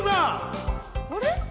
あれ？